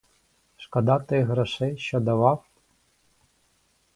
Шкода тих грошей, що дав?